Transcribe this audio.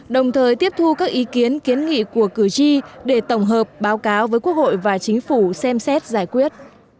đồng thời tiếp thu các ý kiến kiến nghị của cử tri để tổng hợp báo cáo với quốc hội và chính phủ xem xét giải quyết